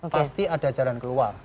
pasti ada jalan keluar